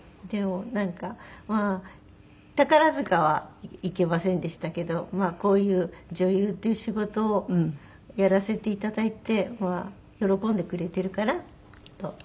でもなんかまあ宝塚は行けませんでしたけどまあこういう女優っていう仕事をやらせていただいてまあ喜んでくれてるかなと。